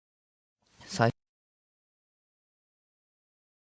咲いた花は悪い匂いがした。